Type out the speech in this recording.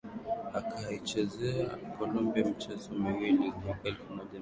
akaichezea Colombia michezo miwili mwaka elfu moja mia tisa arobaini tisa